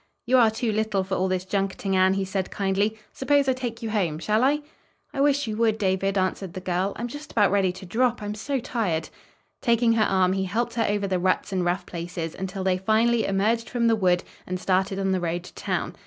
"You are too little for all this junketing, Anne," he said kindly. "Suppose I take you home? Shall I?" "I wish you would, David," answered the girl. "I'm just about ready to drop, I'm so tired." Taking her arm, he helped her over the ruts and rough places, until they finally emerged from the wood and started on the road to town.